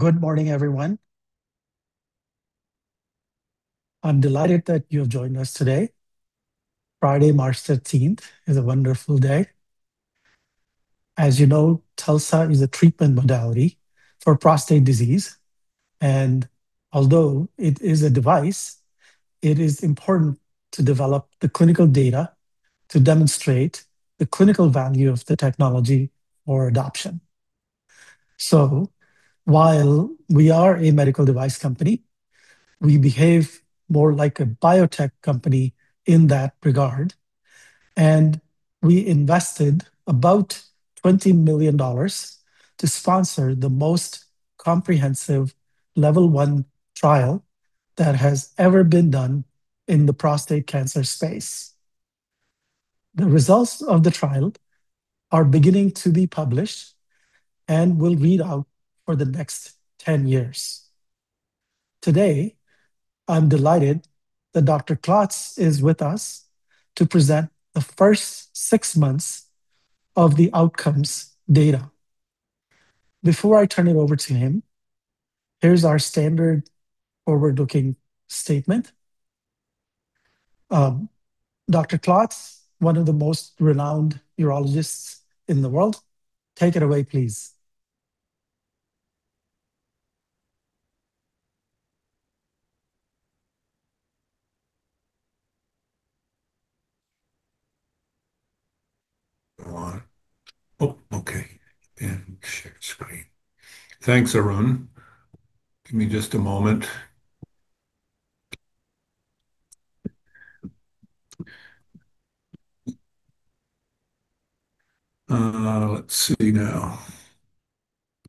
Good morning, everyone. I'm delighted that you have joined us today. Friday, March 13th is a wonderful day. As you know, TULSA-PRO is a treatment modality for prostate disease, and although it is a device, it is important to develop the clinical data to demonstrate the clinical value of the technology or adoption. While we are a medical device company, we behave more like a biotech company in that regard, and we invested about $20 million to sponsor the most comprehensive Level I trial that has ever been done in the prostate cancer space. The results of the trial are beginning to be published and will read out for the next 10 years. Today, I'm delighted that Dr. Klotz is with us to present the first six months of the outcomes data. Before I turn it over to him, here's our standard forward-looking statement. Dr. Klotz, one of the most renowned urologists in the world, take it away, please. Thanks, Arun. Give me just a moment. Let's see now.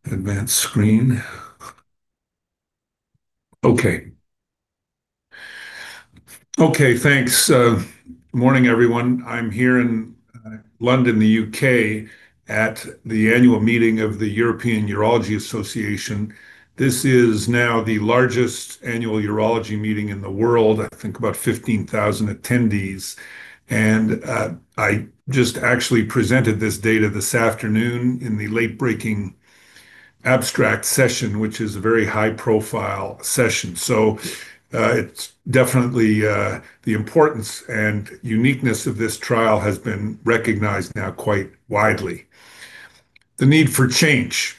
Advance screen. Okay, thanks. Morning, everyone. I'm here in London, the U.K., at the annual meeting of the European Association of Urology. This is now the largest annual urology meeting in the world. I think about 15,000 attendees. I just actually presented this data this afternoon in the late-breaking abstract session, which is a very high-profile session. It's definitely the importance and uniqueness of this trial has been recognized now quite widely. The need for change.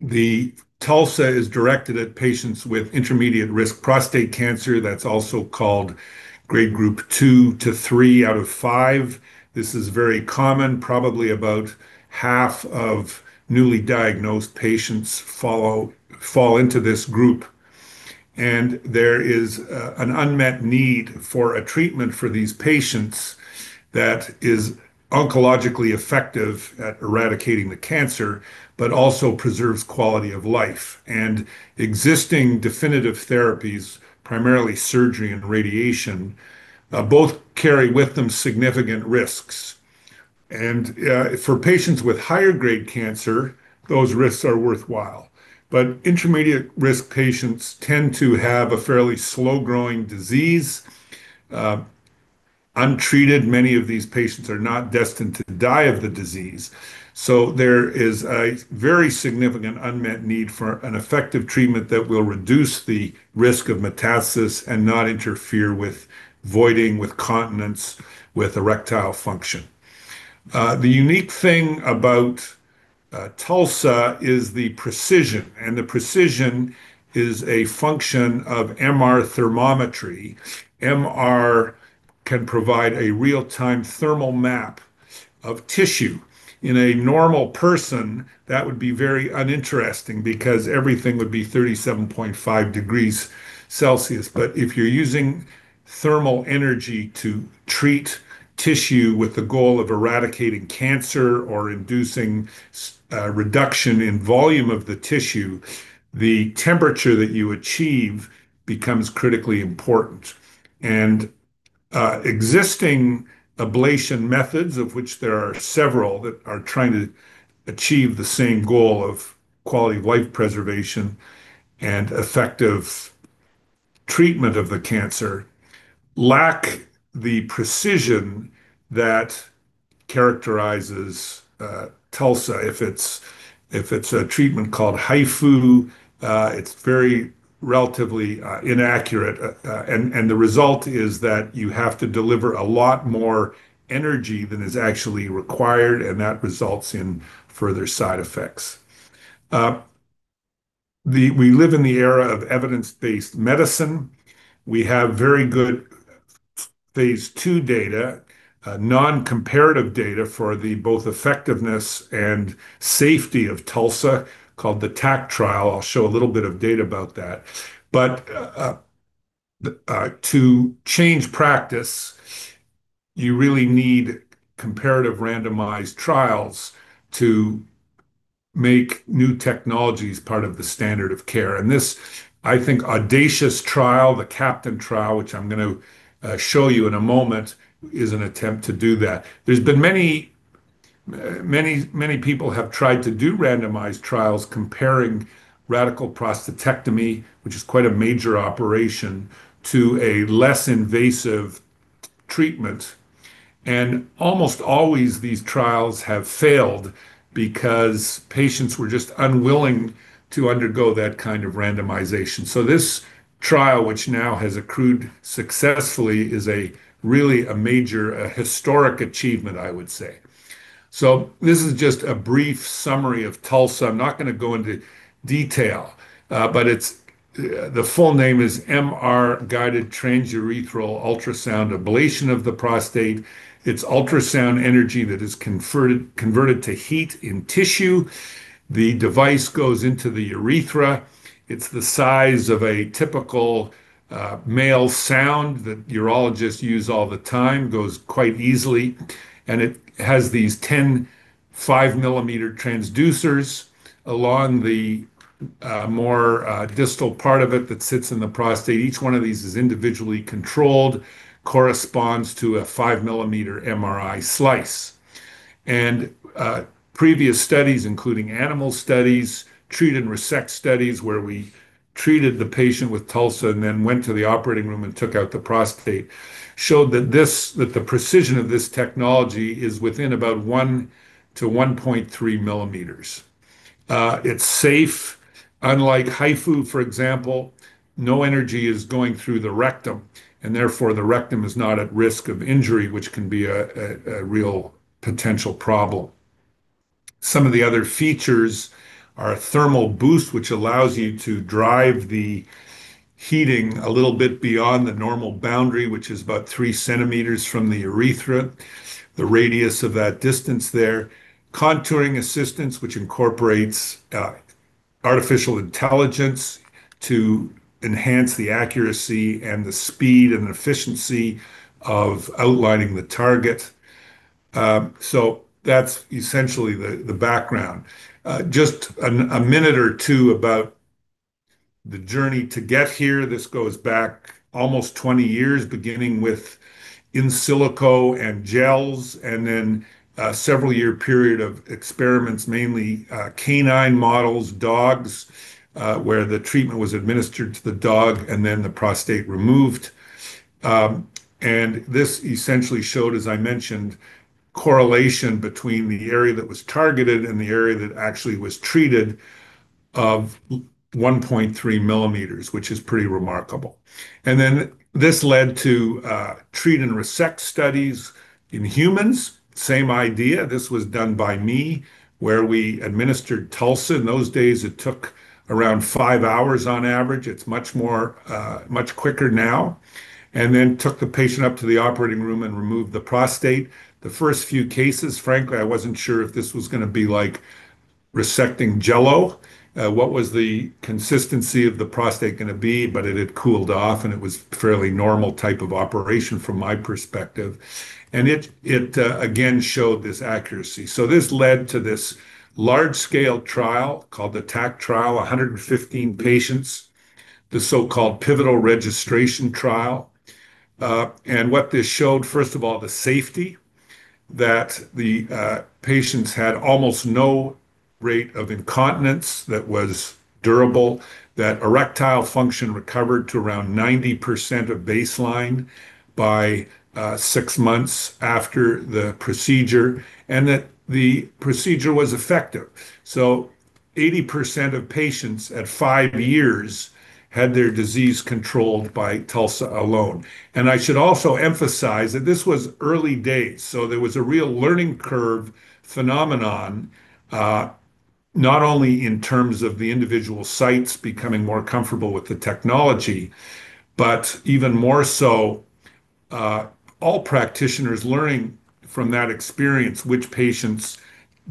The TULSA is directed at patients with intermediate risk prostate cancer. That's also called Grade Group 2 to three out of five. This is very common. Probably about half of newly diagnosed patients fall into this group. There is an unmet need for a treatment for these patients that is oncologically effective at eradicating the cancer, but also preserves quality of life. Existing definitive therapies, primarily surgery and radiation, both carry with them significant risks. For patients with higher grade cancer, those risks are worthwhile. Intermediate risk patients tend to have a fairly slow-growing disease. Untreated, many of these patients are not destined to die of the disease. There is a very significant unmet need for an effective treatment that will reduce the risk of metastasis and not interfere with voiding, with continence, with erectile function. The unique thing about TULSA is the precision, and the precision is a function of MR thermometry. MR can provide a real-time thermal map of tissue. In a normal person, that would be very uninteresting because everything would be 37.5 degrees Celsius. If you're using thermal energy to treat tissue with the goal of eradicating cancer or inducing reduction in volume of the tissue, the temperature that you achieve becomes critically important. Existing ablation methods, of which there are several that are trying to achieve the same goal of quality of life preservation and effective treatment of the cancer, lack the precision that characterizes TULSA. If it's a treatment called HIFU, it's very relatively inaccurate. The result is that you have to deliver a lot more energy than is actually required, and that results in further side effects. We live in the era of evidence-based medicine. We have very good phase II data, non-comparative data for both effectiveness and safety of TULSA called the TACT trial. I'll show a little bit of data about that. To change practice, you really need comparative randomized trials to make new technologies part of the standard of care. This, I think, audacious trial, the CAPTAIN trial, which I'm gonna show you in a moment, is an attempt to do that. There's been many people have tried to do randomized trials comparing radical prostatectomy, which is quite a major operation, to a less invasive treatment. Almost always these trials have failed because patients were just unwilling to undergo that kind of randomization. This trial, which now has accrued successfully, is really a major historic achievement, I would say. This is just a brief summary of TULSA. I'm not gonna go into detail, but it's the full name is MRI-Guided Transurethral Ultrasound Ablation of the prostate. It's ultrasound energy that is converted to heat in tissue. The device goes into the urethra. It's the size of a typical male sound that urologists use all the time, goes quite easily, and it has these 10 5 mm transducers along the more distal part of it that sits in the prostate. Each one of these is individually controlled, corresponds to a 5 mm MRI slice. Previous studies, including animal studies, treat and resect studies where we treated the patient with TULSA and then went to the operating room and took out the prostate, showed that the precision of this technology is within about 1-1.3 mm. It's safe. Unlike HIFU, for example, no energy is going through the rectum, and therefore the rectum is not at risk of injury, which can be a real potential problem. Some of the other features are a Thermal Boost, which allows you to drive the heating a little bit beyond the normal boundary, which is about 3 cm from the urethra, the radius of that distance there. Contouring assistance, which incorporates artificial intelligence to enhance the accuracy and the speed and efficiency of outlining the target. So that's essentially the background. Just a minute or two about the journey to get here. This goes back almost 20 years, beginning with in silico and gels, and then a several-year period of experiments, mainly canine models, dogs, where the treatment was administered to the dog and then the prostate removed. This essentially showed, as I mentioned, correlation between the area that was targeted and the area that actually was treated of 1.3 mm, which is pretty remarkable. Then this led to treat-and-resect studies in humans. Same idea. This was done by me, where we administered TULSA. In those days, it took around 5 hours on average. It's much quicker now. Then took the patient up to the operating room and removed the prostate. The first few cases, frankly, I wasn't sure if this was gonna be like resecting jello. What was the consistency of the prostate gonna be? But it had cooled off, and it was fairly normal type of operation from my perspective. It again showed this accuracy. This led to this large scale trial called the TACT trial, 115 patients, the so-called pivotal registration trial. What this showed, first of all, the safety that the patients had almost no rate of incontinence that was durable, that erectile function recovered to around 90% of baseline by six months after the procedure, and that the procedure was effective. 80% of patients at five years had their disease controlled by TULSA alone. I should also emphasize that this was early days, so there was a real learning curve phenomenon, not only in terms of the individual sites becoming more comfortable with the technology, but even more so, all practitioners learning from that experience which patients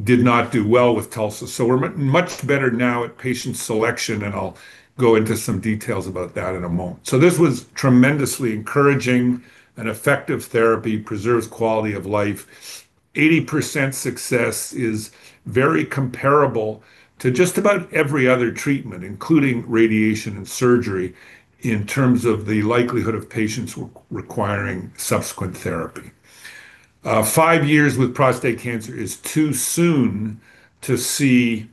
did not do well with TULSA. We're much better now at patient selection, and I'll go into some details about that in a moment. This was tremendously encouraging. An effective therapy preserves quality of life. 80% success is very comparable to just about every other treatment, including radiation and surgery, in terms of the likelihood of patients re-requiring subsequent therapy. Five years with prostate cancer is too soon to see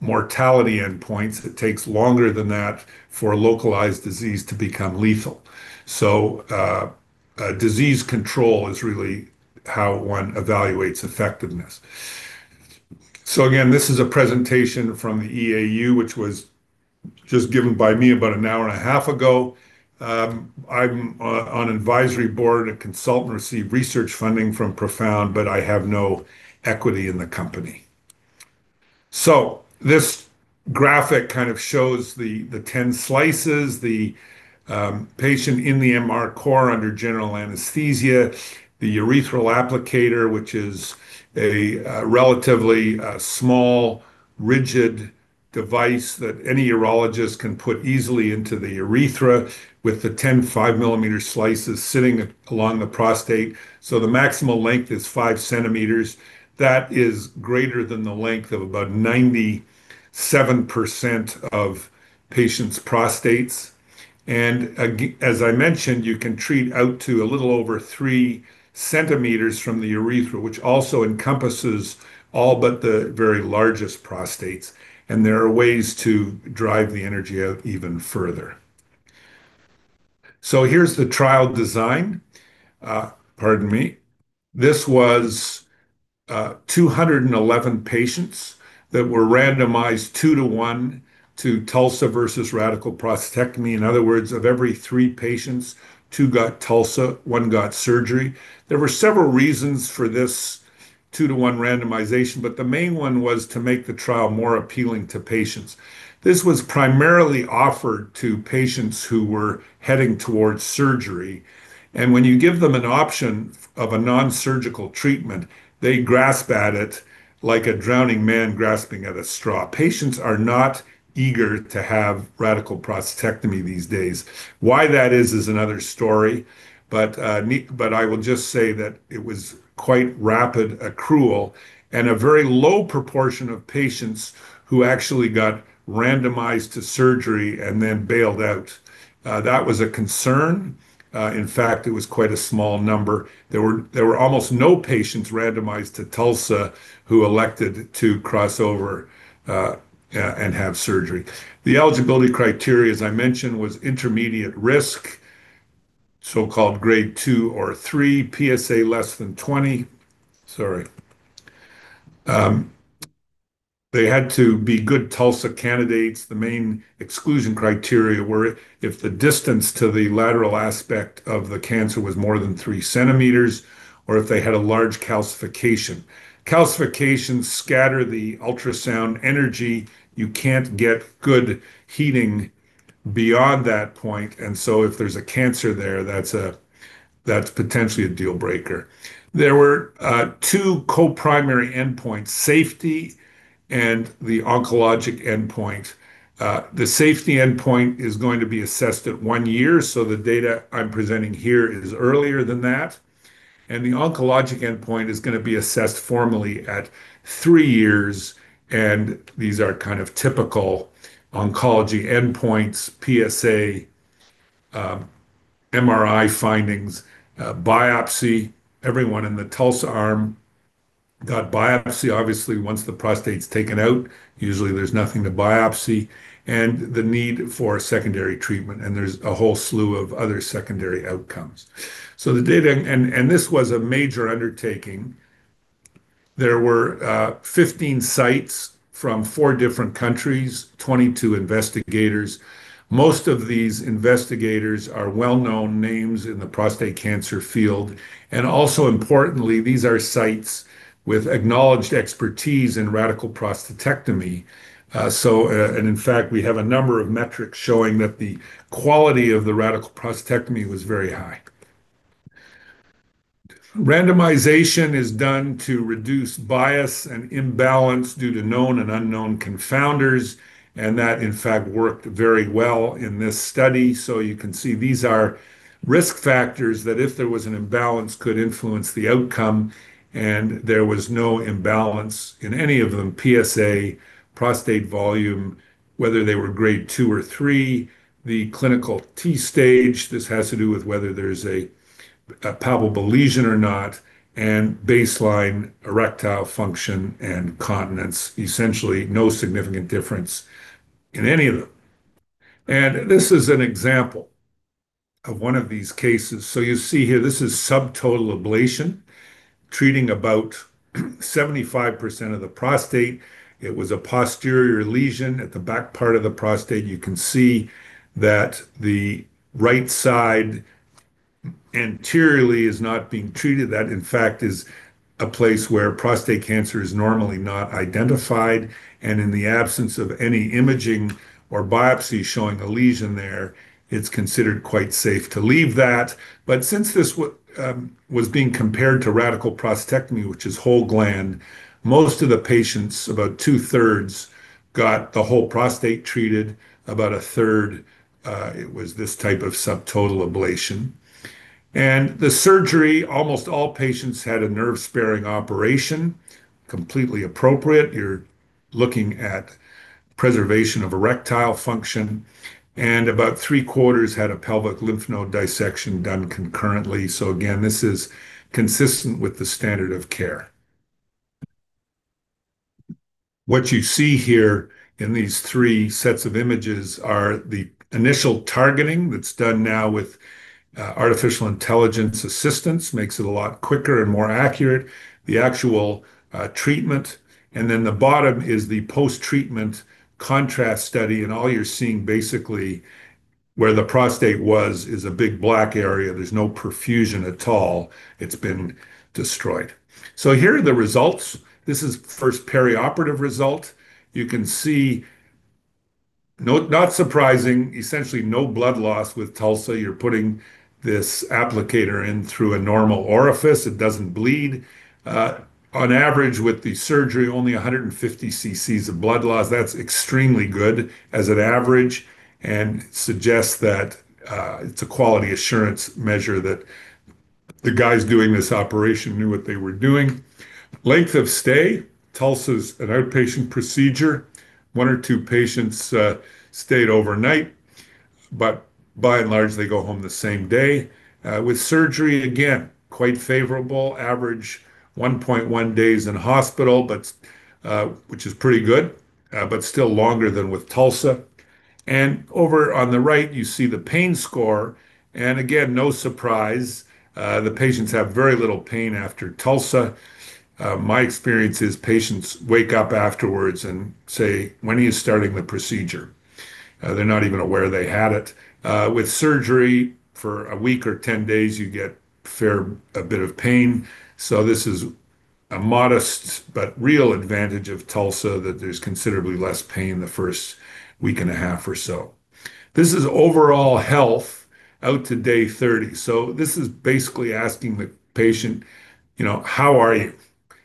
mortality endpoints. It takes longer than that for a localized disease to become lethal. Disease control is really how one evaluates effectiveness. This is a presentation from the EAU, which was just given by me about an hour and a half ago. I'm on advisory board and a consultant, receive research funding from Profound, but I have no equity in the company. This graphic kind of shows the ten slices, the patient in the MR core under general anesthesia, the urethral applicator, which is a relatively small, rigid device that any urologist can put easily into the urethra with the ten 5 millimeter slices sitting along the prostate. The maximal length is 5 cm. That is greater than the length of about 97% of patients' prostates. As I mentioned, you can treat out to a little over 3 cm from the urethra, which also encompasses all but the very largest prostates. There are ways to drive the energy out even further. Here's the trial design. Pardon me. This was 211 patients that were randomized two to one to TULSA versus radical prostatectomy. In other words, of every three patients, two got TULSA, one got surgery. There were several reasons for this 2-to-1 randomization, but the main one was to make the trial more appealing to patients. This was primarily offered to patients who were heading towards surgery, and when you give them an option of a non-surgical treatment, they grasp at it like a drowning man grasping at a straw. Patients are not eager to have radical prostatectomy these days. Why that is another story. I will just say that it was quite rapid accrual and a very low proportion of patients who actually got randomized to surgery and then bailed out. That was a concern. In fact, it was quite a small number. There were almost no patients randomized to TULSA who elected to cross over and have surgery. The eligibility criteria, as I mentioned, was intermediate risk, so-called Grade 2 or 3, PSA less than 20. Sorry. They had to be good TULSA candidates. The main exclusion criteria were if the distance to the lateral aspect of the cancer was more than 3 cm or if they had a large calcification. Calcifications scatter the ultrasound energy. You can't get good heating beyond that point, and so if there's a cancer there, that's potentially a deal breaker. There were two co-primary endpoints, safety and the oncologic endpoint. The safety endpoint is going to be assessed at 1 year, so the data I'm presenting here is earlier than that. The oncologic endpoint is gonna be assessed formally at three years, and these are kind of typical oncology endpoints, PSA, MRI findings, biopsy. Everyone in the TULSA arm got biopsy. Obviously, once the prostate's taken out, usually there's nothing to biopsy, and the need for secondary treatment, and there's a whole slew of other secondary outcomes. This was a major undertaking. There were 15 sites from four different countries, 22 investigators. Most of these investigators are well-known names in the prostate cancer field. Also importantly, these are sites with acknowledged expertise in radical prostatectomy. In fact, we have a number of metrics showing that the quality of the radical prostatectomy was very high. Randomization is done to reduce bias and imbalance due to known and unknown confounders, and that in fact worked very well in this study. You can see these are risk factors that if there was an imbalance, could influence the outcome, and there was no imbalance in any of them, PSA, prostate volume, whether they were Grade 2 or 3. The clinical T stage, this has to do with whether there's a palpable lesion or not, and baseline erectile function and continence. Essentially, no significant difference in any of them. This is an example of one of these cases. You see here, this is subtotal ablation, treating about 75% of the prostate. It was a posterior lesion at the back part of the prostate. You can see that the right side anteriorly is not being treated. That, in fact, is a place where prostate cancer is normally not identified. In the absence of any imaging or biopsy showing a lesion there, it's considered quite safe to leave that. Since this was being compared to radical prostatectomy, which is whole gland, most of the patients, about two-thirds, got the whole prostate treated. About a third, it was this type of subtotal ablation. The surgery, almost all patients had a nerve-sparing operation, completely appropriate. You're looking at preservation of erectile function, and about three-quarters had a pelvic lymph node dissection done concurrently. This is consistent with the standard of care. What you see here in these three sets of images are the initial targeting that's done now with artificial intelligence assistance. Makes it a lot quicker and more accurate. The actual treatment, and then the bottom is the post-treatment contrast study. All you're seeing basically where the prostate was is a big black area. There's no perfusion at all. It's been destroyed. Here are the results. This is first perioperative result. You can see, not surprising, essentially no blood loss with TULSA. You're putting this applicator in through a normal orifice. It doesn't bleed. On average, with the surgery, only 150 cc's of blood loss. That's extremely good as an average and suggests that it's a quality assurance measure that the guys doing this operation knew what they were doing. Length of stay, TULSA's an outpatient procedure. One or two patients stayed overnight, but by and large, they go home the same day. With surgery, again, quite favorable. Average 1.1 days in hospital, but which is pretty good, but still longer than with TULSA. Over on the right, you see the pain score, and again, no surprise, the patients have very little pain after TULSA. My experience is patients wake up afterwards and say, "When are you starting the procedure?" They're not even aware they had it. With surgery, for a week or 10 days, you get quite a bit of pain. This is a modest but real advantage of TULSA that there's considerably less pain the first week and a half or so. This is overall health out to day 30. This is basically asking the patient, you know, "How are you?"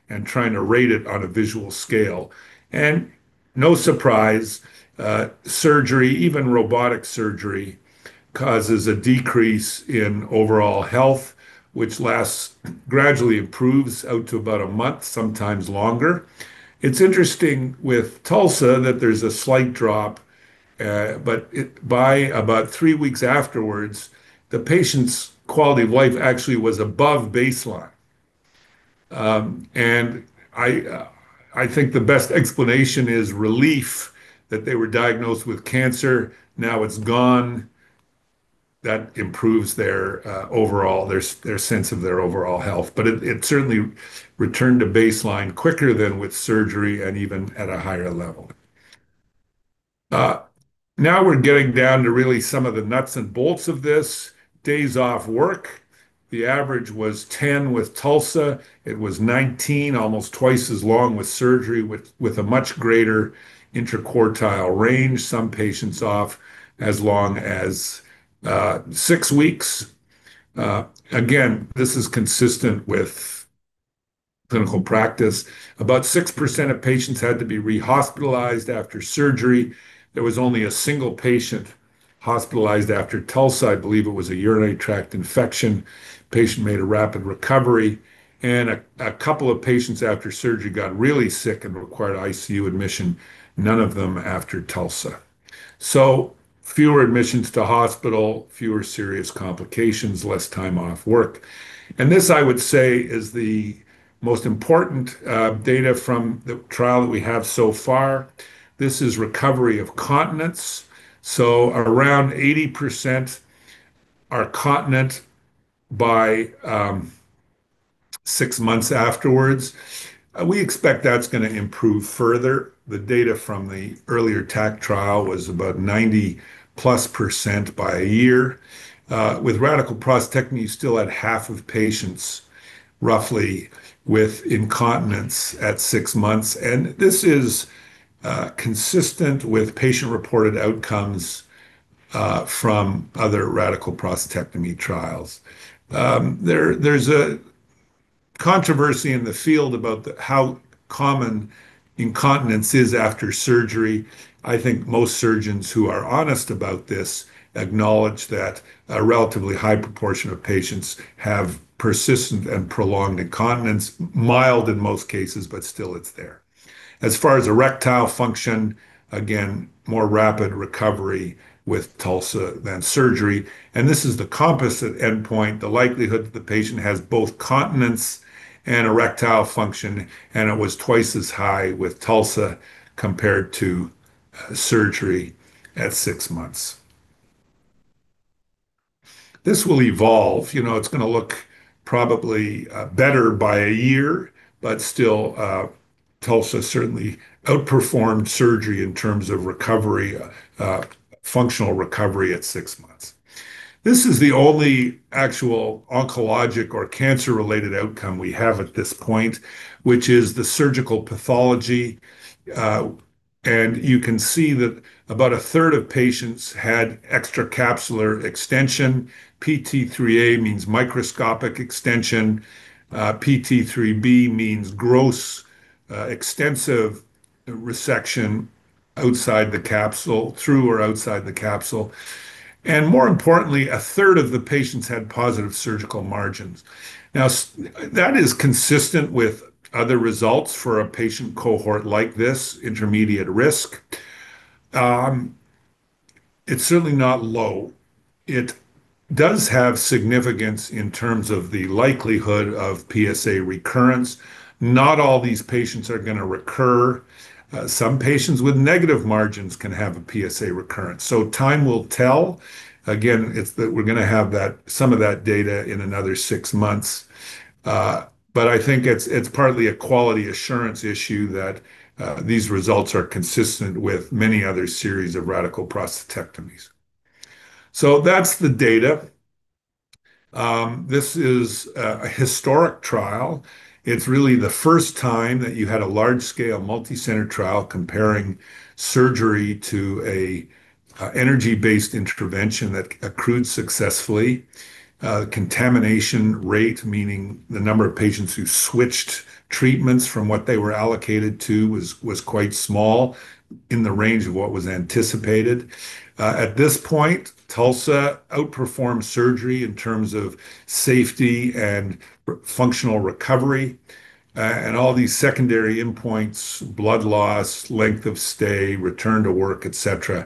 and trying to rate it on a visual scale. No surprise, surgery, even robotic surgery, causes a decrease in overall health, which lasts, gradually improves out to about a month, sometimes longer. It's interesting with TULSA that there's a slight drop, but by about three weeks afterwards, the patient's quality of life actually was above baseline. I think the best explanation is relief that they were diagnosed with cancer. Now it's gone. That improves their overall sense of their overall health. It certainly returned to baseline quicker than with surgery and even at a higher level. Now we're getting down to really some of the nuts and bolts of this, days off work. The average was 10 with TULSA. It was 19, almost twice as long with surgery, with a much greater interquartile range. Some patients off as long as six weeks. Again, this is consistent with clinical practice. About 6% of patients had to be rehospitalized after surgery. There was only a single patient hospitalized after TULSA. I believe it was a urinary tract infection. Patient made a rapid recovery, and a couple of patients after surgery got really sick and required ICU admission, none of them after TULSA. Fewer admissions to hospital, fewer serious complications, less time off work. This, I would say, is the most important data from the trial that we have so far. This is recovery of continence. Around 80% are continent by six months afterwards. We expect that's gonna improve further. The data from the earlier TACT trial was about 90+% by a year. With radical prostatectomy, you still had half of patients roughly with incontinence at six months. This is consistent with patient-reported outcomes from other radical prostatectomy trials. There's a controversy in the field about how common incontinence is after surgery. I think most surgeons who are honest about this acknowledge that a relatively high proportion of patients have persistent and prolonged incontinence, mild in most cases, but still it's there. As far as erectile function, again, more rapid recovery with TULSA than surgery. This is the composite endpoint, the likelihood that the patient has both continence and erectile function, and it was twice as high with TULSA compared to surgery at six months. This will evolve. You know, it's gonna look probably better by a year, but still, TULSA certainly outperformed surgery in terms of recovery, functional recovery at six months. This is the only actual oncologic or cancer-related outcome we have at this point, which is the surgical pathology. You can see that about a third of patients had extracapsular extension. pT3a means microscopic extension. pT3b means gross, extensive resection outside the capsule, through or outside the capsule. More importantly, a third of the patients had positive surgical margins. Now, that is consistent with other results for a patient cohort like this, intermediate risk. It's certainly not low. It does have significance in terms of the likelihood of PSA recurrence. Not all these patients are gonna recur. Some patients with negative margins can have a PSA recurrence. Time will tell. Again, it's that we're gonna have some of that data in another six months. But I think it's partly a quality assurance issue that these results are consistent with many other series of radical prostatectomies. That's the data. This is a historic trial. It's really the first time that you had a large-scale multi-center trial comparing surgery to an energy-based intervention that accrued successfully. Contamination rate, meaning the number of patients who switched treatments from what they were allocated to was quite small in the range of what was anticipated. At this point, TULSA outperforms surgery in terms of safety and functional recovery. And all these secondary endpoints, blood loss, length of stay, return to work, et cetera,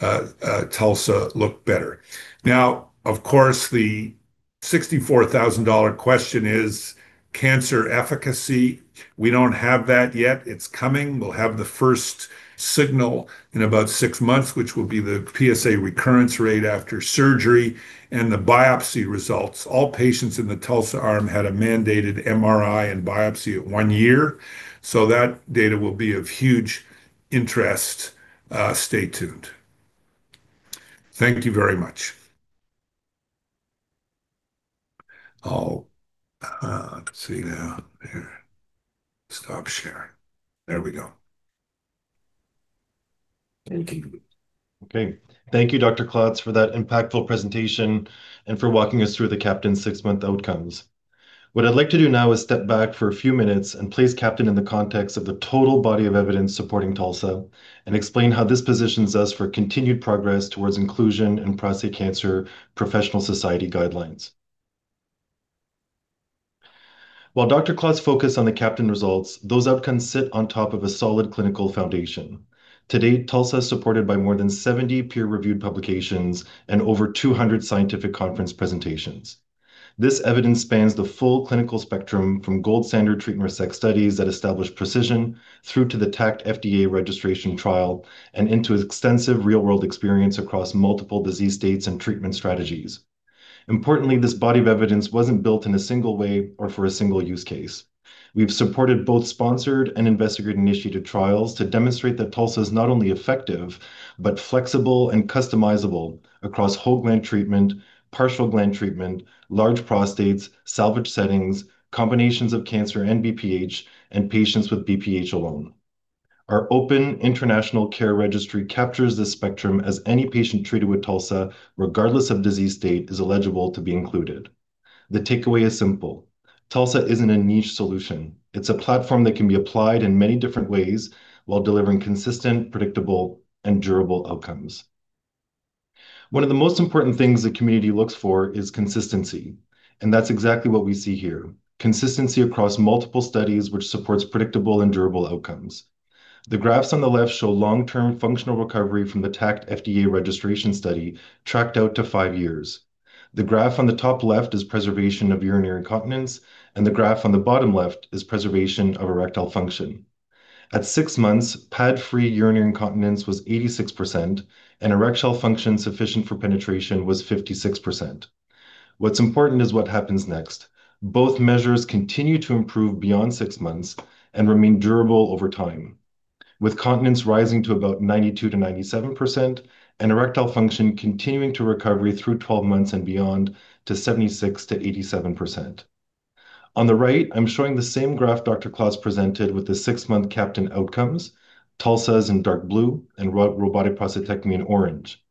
TULSA looked better. Now, of course, the $64,000 question is cancer efficacy. We don't have that yet. It's coming. We'll have the first signal in about six months, which will be the PSA recurrence rate after surgery and the biopsy results. All patients in the TULSA arm had a mandated MRI and biopsy at one year, so that data will be of huge interest. Stay tuned. Thank you very much. Let's see now. Here. Stop share. There we go. Thank you. Okay. Thank you, Dr. Klotz, for that impactful presentation and for walking us through the CAPTAIN six-month outcomes. What I'd like to do now is step back for a few minutes and place CAPTAIN in the context of the total body of evidence supporting TULSA and explain how this positions us for continued progress towards inclusion in prostate cancer professional society guidelines. While Dr. Klotz focused on the CAPTAIN results, those outcomes sit on top of a solid clinical foundation. Today, TULSA is supported by more than 70 peer-reviewed publications and over 200 scientific conference presentations. This evidence spans the full clinical spectrum from gold standard treatment effect studies that establish precision through to the TACT FDA registration trial and into extensive real-world experience across multiple disease states and treatment strategies. Importantly, this body of evidence wasn't built in a single way or for a single use case. We've supported both sponsored and investigator-initiated trials to demonstrate that TULSA is not only effective but flexible and customizable across whole gland treatment, partial gland treatment, large prostates, salvage settings, combinations of cancer and BPH, and patients with BPH alone. Our open International CARE Registry captures the spectrum as any patient treated with TULSA, regardless of disease state, is eligible to be included. The takeaway is simple. TULSA isn't a niche solution. It's a platform that can be applied in many different ways while delivering consistent, predictable, and durable outcomes. One of the most important things the community looks for is consistency, and that's exactly what we see here. Consistency across multiple studies, which supports predictable and durable outcomes. The graphs on the left show long-term functional recovery from the TACT FDA registration study tracked out to five years. The graph on the top left is preservation of urinary incontinence, and the graph on the bottom left is preservation of erectile function. At six months, pad-free urinary incontinence was 86% and erectile function sufficient for penetration was 56%. What's important is what happens next. Both measures continue to improve beyond six months and remain durable over time, with continence rising to about 92%-97% and erectile function continuing to recover through 12 months and beyond to 76%-87%. On the right, I'm showing the same graph Dr. Klotz presented with the six-month CAPTAIN outcomes. TULSA is in dark blue and robotic prostatectomy in orange.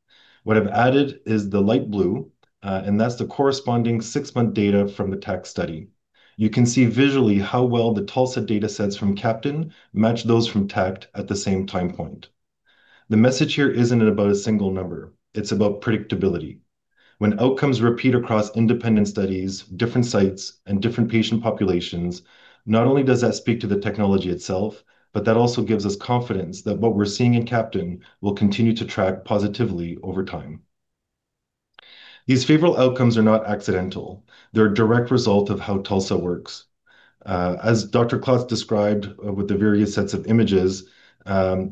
What I've added is the light blue, and that's the corresponding six-month data from the TACT study. You can see visually how well the TULSA data sets from CAPTAIN match those from TACT at the same time point. The message here isn't about a single number. It's about predictability. When outcomes repeat across independent studies, different sites, and different patient populations, not only does that speak to the technology itself, but that also gives us confidence that what we're seeing in CAPTAIN will continue to track positively over time. These favorable outcomes are not accidental. They're a direct result of how TULSA works. As Dr. Klotz described with the various sets of images,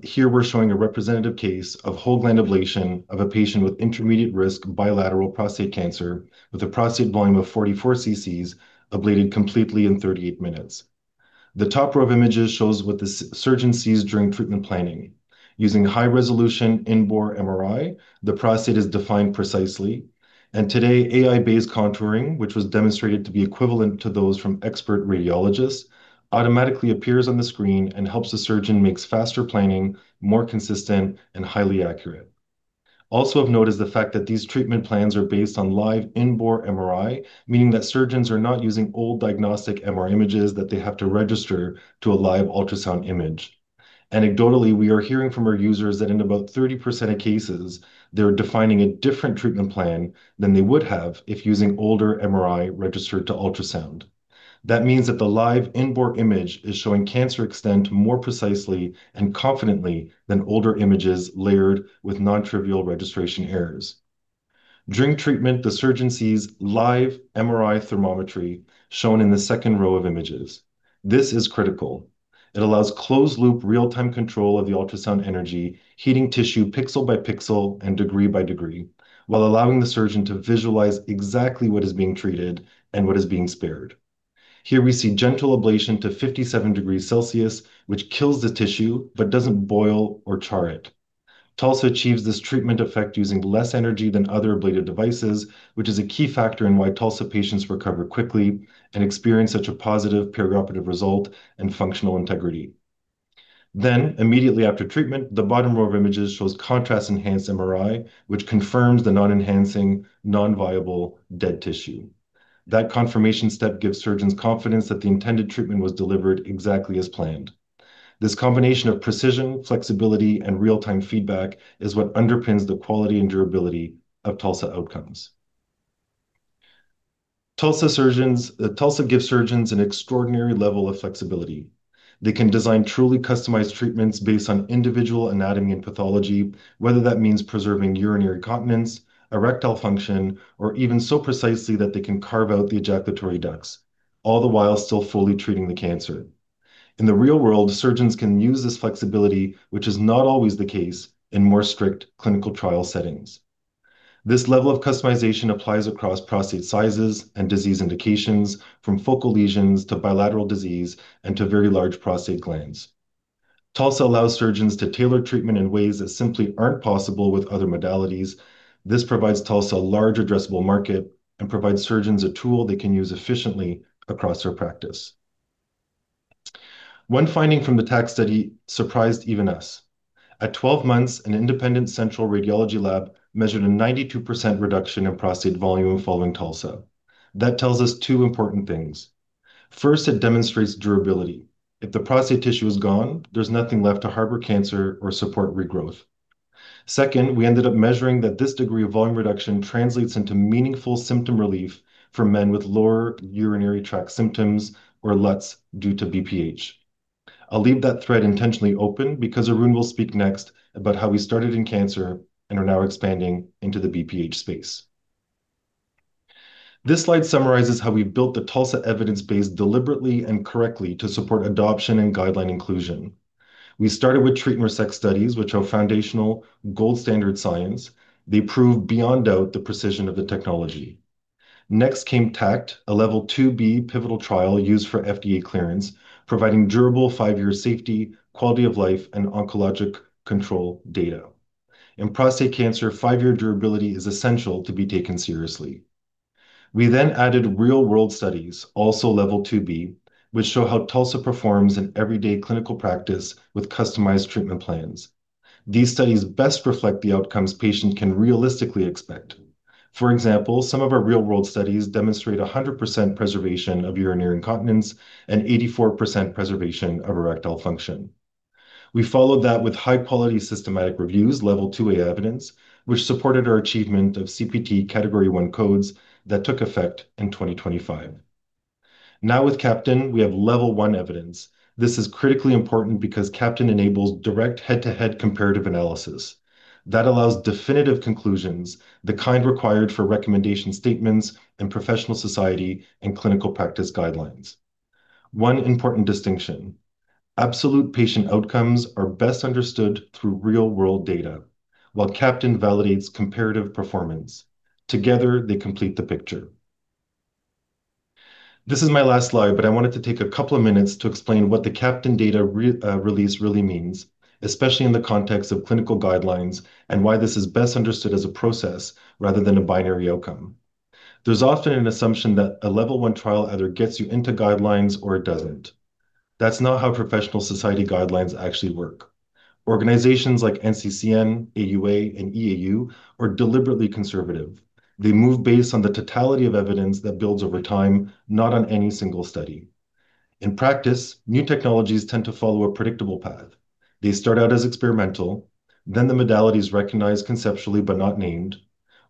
here we're showing a representative case of whole gland ablation of a patient with intermediate-risk bilateral prostate cancer with a prostate volume of 44 cc's ablated completely in 38 minutes. The top row of images shows what the surgeon sees during treatment planning. Using high-resolution in-bore MRI, the prostate is defined precisely. Today, AI-based contouring, which was demonstrated to be equivalent to those from expert radiologists, automatically appears on the screen and helps the surgeon makes faster planning more consistent and highly accurate. Also of note is the fact that these treatment plans are based on live in-bore MRI, meaning that surgeons are not using old diagnostic MR images that they have to register to a live ultrasound image. Anecdotally, we are hearing from our users that in about 30% of cases, they're defining a different treatment plan than they would have if using older MRI registered to ultrasound. That means that the live in-bore image is showing cancer extent more precisely and confidently than older images layered with non-trivial registration errors. During treatment, the surgeon sees live MRI thermometry, shown in the second row of images. This is critical. It allows closed-loop real-time control of the ultrasound energy, heating tissue pixel by pixel and degree by degree, while allowing the surgeon to visualize exactly what is being treated and what is being spared. Here we see gentle ablation to 57 degrees Celsius, which kills the tissue but doesn't boil or char it. TULSA achieves this treatment effect using less energy than other ablation devices, which is a key factor in why TULSA patients recover quickly and experience such a positive perioperative result and functional integrity. Immediately after treatment, the bottom row of images shows contrast-enhanced MRI, which confirms the non-enhancing, non-viable dead tissue. That confirmation step gives surgeons confidence that the intended treatment was delivered exactly as planned. This combination of precision, flexibility, and real-time feedback is what underpins the quality and durability of TULSA outcomes. TULSA gives surgeons an extraordinary level of flexibility. They can design truly customized treatments based on individual anatomy and pathology, whether that means preserving urinary continence, erectile function, or even so precisely that they can carve out the ejaculatory ducts, all the while still fully treating the cancer. In the real world, surgeons can use this flexibility, which is not always the case in more strict clinical trial settings. This level of customization applies across prostate sizes and disease indications from focal lesions to bilateral disease and to very large prostate glands. TULSA allows surgeons to tailor treatment in ways that simply aren't possible with other modalities. This provides TULSA a large addressable market and provides surgeons a tool they can use efficiently across their practice. One finding from the TACT study surprised even us. At 12 months, an independent central radiology lab measured a 92% reduction in prostate volume following TULSA. That tells us two important things. First, it demonstrates durability. If the prostate tissue is gone, there's nothing left to harbor cancer or support regrowth. Second, we ended up measuring that this degree of volume reduction translates into meaningful symptom relief for men with lower urinary tract symptoms or LUTS due to BPH. I'll leave that thread intentionally open because Arun will speak next about how we started in cancer and are now expanding into the BPH space. This slide summarizes how we built the TULSA evidence base deliberately and correctly to support adoption and guideline inclusion. We started with treat-and-resect studies, which are foundational gold standard science. They prove beyond doubt the precision of the technology. Next came TACT, a Level IIb pivotal trial used for FDA clearance, providing durable five-year safety, quality of life, and oncologic control data. In prostate cancer, five-year durability is essential to be taken seriously. We added real-world studies, also Level IIb, which show how TULSA performs in everyday clinical practice with customized treatment plans. These studies best reflect the outcomes patients can realistically expect. For example, some of our real-world studies demonstrate 100% preservation of urinary incontinence and 84% preservation of erectile function. We followed that with high-quality systematic reviews, Level IIa evidence, which supported our achievement of CPT Category I codes that took effect in 2025. Now with CAPTAIN, we have Level I evidence. This is critically important because CAPTAIN enables direct head-to-head comparative analysis. That allows definitive conclusions, the kind required for recommendation statements in professional society and clinical practice guidelines. One important distinction, absolute patient outcomes are best understood through real-world data, while CAPTAIN validates comparative performance. Together, they complete the picture. This is my last slide, but I wanted to take a couple of minutes to explain what the CAPTAIN data release really means, especially in the context of clinical guidelines and why this is best understood as a process rather than a binary outcome. There's often an assumption that a Level I trial either gets you into guidelines or it doesn't. That's not how professional society guidelines actually work. Organizations like NCCN, AUA, and EAU are deliberately conservative. They move based on the totality of evidence that builds over time, not on any single study. In practice, new technologies tend to follow a predictable path. They start out as experimental, then the modality's recognized conceptually, but not named.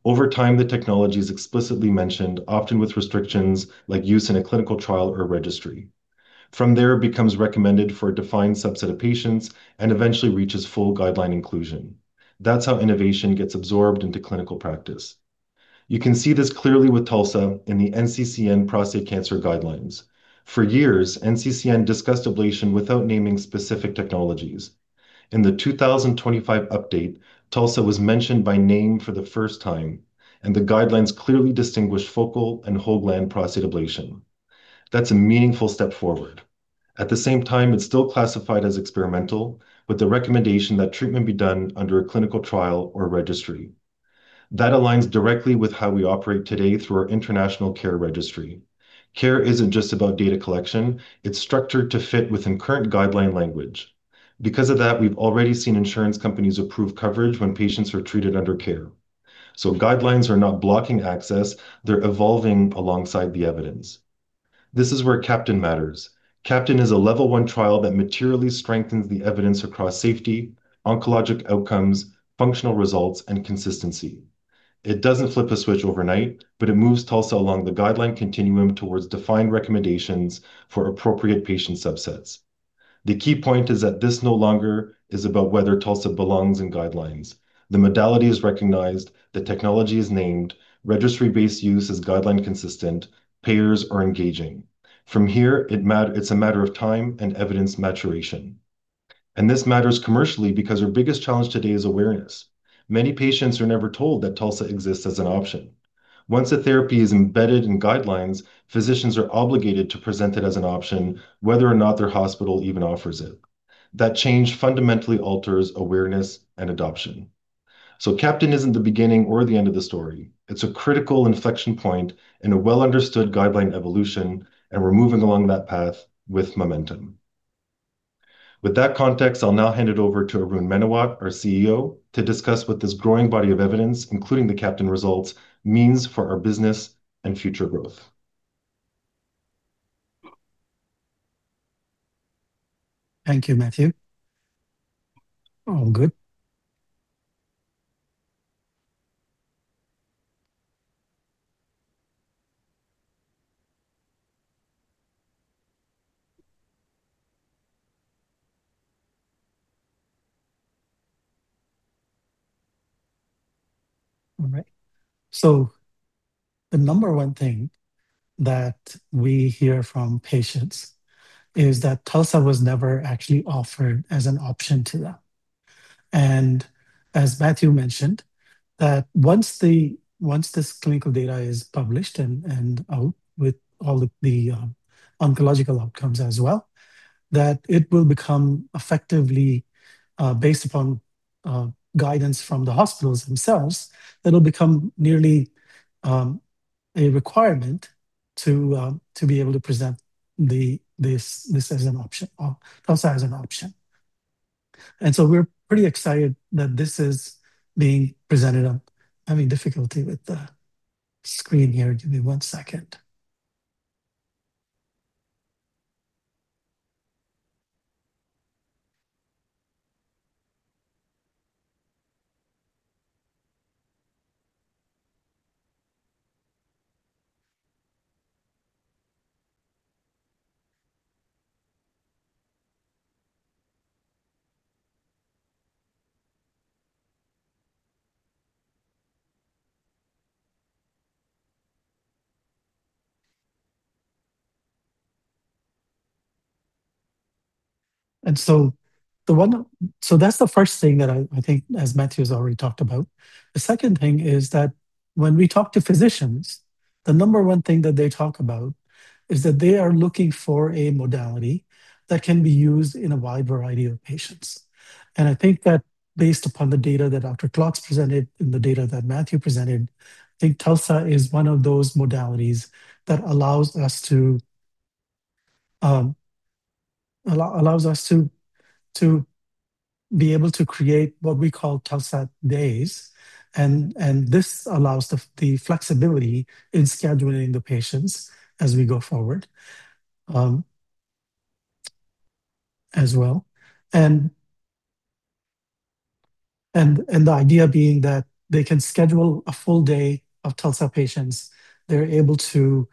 Over time, the technology is explicitly mentioned, often with restrictions like use in a clinical trial or registry. From there, it becomes recommended for a defined subset of patients and eventually reaches full guideline inclusion. That's how innovation gets absorbed into clinical practice. You can see this clearly with TULSA in the NCCN prostate cancer guidelines. For years, NCCN discussed ablation without naming specific technologies. In the 2025 update, TULSA was mentioned by name for the first time, and the guidelines clearly distinguished focal and whole gland prostate ablation. That's a meaningful step forward. At the same time, it's still classified as experimental with the recommendation that treatment be done under a clinical trial or registry. That aligns directly with how we operate today through our International CARE Registry. CARE isn't just about data collection, it's structured to fit within current guideline language. Because of that, we've already seen insurance companies approve coverage when patients are treated under CARE. Guidelines are not blocking access. They're evolving alongside the evidence. This is where CAPTAIN matters. CAPTAIN is a Level I trial that materially strengthens the evidence across safety, oncologic outcomes, functional results, and consistency. It doesn't flip a switch overnight, but it moves TULSA along the guideline continuum towards defined recommendations for appropriate patient subsets. The key point is that this no longer is about whether TULSA belongs in guidelines. The modality is recognized, the technology is named, registry-based use is guideline consistent, payers are engaging. From here, it's a matter of time and evidence maturation. This matters commercially because our biggest challenge today is awareness. Many patients are never told that TULSA exists as an option. Once a therapy is embedded in guidelines, physicians are obligated to present it as an option, whether or not their hospital even offers it. That change fundamentally alters awareness and adoption. CAPTAIN isn't the beginning or the end of the story. It's a critical inflection point in a well-understood guideline evolution, and we're moving along that path with momentum. With that context, I'll now hand it over to Arun Menawat, our CEO, to discuss what this growing body of evidence, including the CAPTAIN results, means for our business and future growth. Thank you, Mathieu. All good? The number one thing that we hear from patients is that TULSA-PRO was never actually offered as an option to them. As Mathieu mentioned, that once this clinical data is published and out with all of the oncological outcomes as well, that it will become effectively based upon guidance from the hospitals themselves, it'll become nearly a requirement to be able to present this as an option, or TULSA-PRO as an option. We're pretty excited that this is being presented. I'm having difficulty with the screen here. Give me one second. That's the first thing that I think, as Mathieu's already talked about. The second thing is that when we talk to physicians, the number one thing that they talk about is that they are looking for a modality that can be used in a wide variety of patients. I think that based upon the data that Dr. Klotz presented and the data that Mathieu presented, I think TULSA-PRO is one of those modalities that allows us to be able to create what we call TULSA-PRO days, and this allows the flexibility in scheduling the patients as we go forward, as well. The idea being that they can schedule a full day of TULSA-PRO patients. They're able to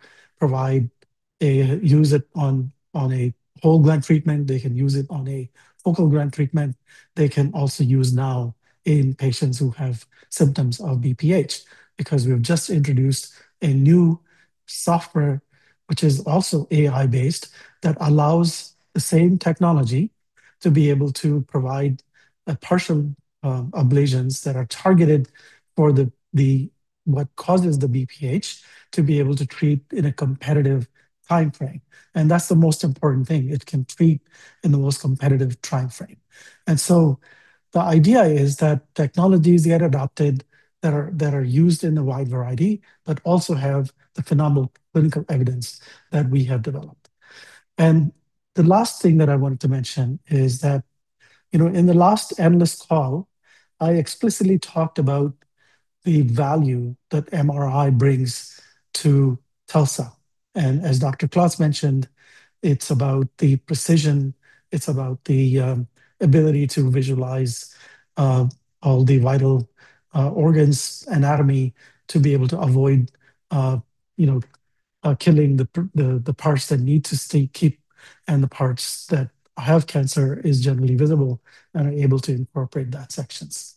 use it on a whole gland treatment, they can use it on a focal gland treatment. They can also use now in patients who have symptoms of BPH, because we have just introduced a new software, which is also AI-based, that allows the same technology to be able to provide a partial ablations that are targeted for what causes the BPH to be able to treat in a competitive timeframe. That's the most important thing. It can treat in the most competitive timeframe. The idea is that technologies get adopted that are used in a wide variety, but also have the phenomenal clinical evidence that we have developed. The last thing that I wanted to mention is that, you know, in the last analyst call, I explicitly talked about the value that MRI brings to TULSA-PRO. As Dr. Klotz mentioned, it's about the precision, it's about the ability to visualize all the vital organs, anatomy, to be able to avoid, you know, killing the parts that need to stay, keep, and the parts that have cancer is generally visible and are able to incorporate that sections.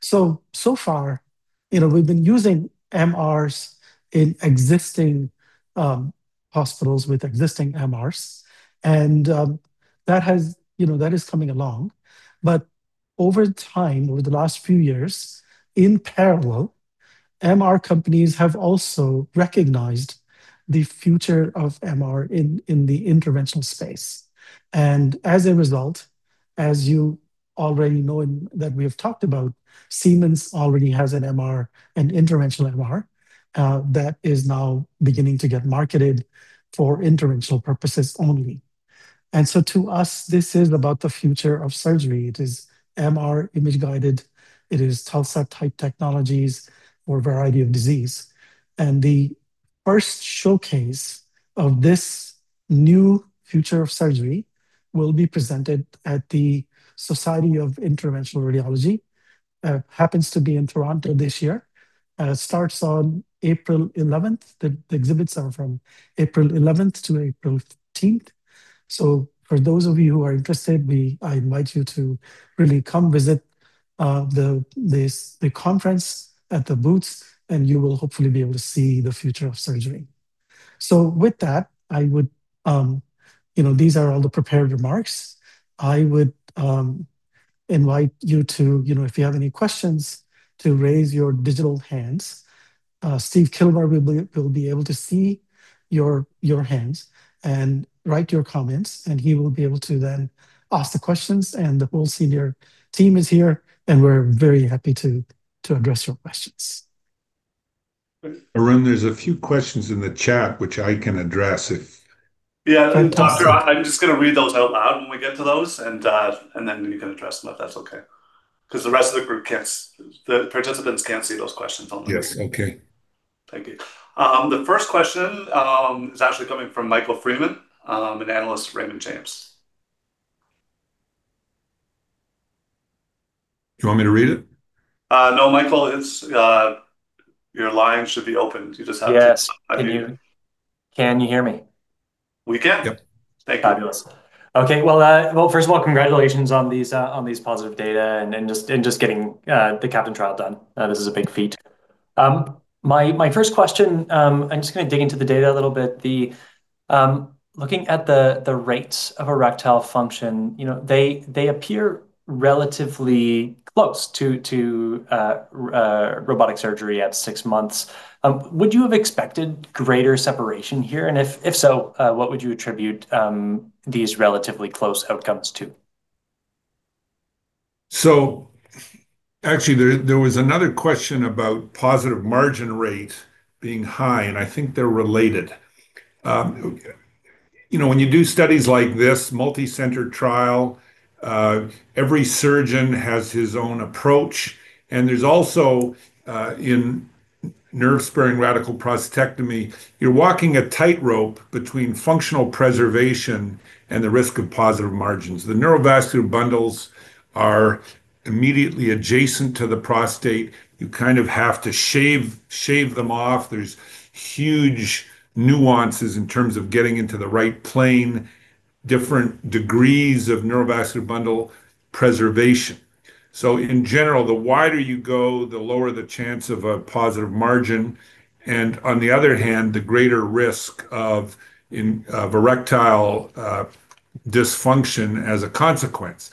So far, you know, we've been using MRs in existing hospitals with existing MRs and that has, you know, that is coming along. Over time, over the last few years, in parallel, MR companies have also recognized the future of MR in the interventional space. As a result, as you already know and that we have talked about, Siemens already has an MR, an interventional MR that is now beginning to get marketed for interventional purposes only. To us, this is about the future of surgery. It is MR image-guided, it is TULSA-PRO-type technologies for a variety of disease. The first showcase of this new future of surgery will be presented at the Society of Interventional Radiology, happens to be in Toronto this year. It starts on April 11th. The exhibits are from April 11th to April 15th. For those of you who are interested, I invite you to really come visit the conference at the booths, and you will hopefully be able to see the future of surgery. With that, I would, you know, these are all the prepared remarks. I would invite you to, you know, if you have any questions, to raise your digital hands. Stephen Kilmer will be able to see your hands and write your comments, and he will be able to then ask the questions. The whole senior team is here, and we're very happy to address your questions. Arun, there's a few questions in the chat, which I can address if. Yeah. Fantastic. Dr. A, I'm just gonna read those out loud when we get to those, and then you can address them, if that's okay. 'Cause the rest of the group can't. The participants can't see those questions online. Yes. Okay. Thank you. The first question is actually coming from Michael Freeman, an analyst at Raymond James. Do you want me to read it? No, Michael, it's your line should be open. You just have to Yes. Can you hear me? We can Yep. Thank you. Fabulous. Okay. Well, first of all, congratulations on these positive data and just getting the CAPTAIN trial done. This is a big feat. My first question, I'm just gonna dig into the data a little bit. Looking at the rates of erectile function, you know, they appear relatively close to robotic surgery at six months. Would you have expected greater separation here? If so, what would you attribute these relatively close outcomes to? Actually, there was another question about positive margin rate being high, and I think they're related. You know, when you do studies like this, multi-center trial, every surgeon has his own approach. There's also in nerve-sparing radical prostatectomy, you're walking a tightrope between functional preservation and the risk of positive margins. The neurovascular bundles are immediately adjacent to the prostate. You kind of have to shave them off. There's huge nuances in terms of getting into the right plane, different degrees of neurovascular bundle preservation. In general, the wider you go, the lower the chance of a positive margin, and on the other hand, the greater risk of erectile dysfunction as a consequence.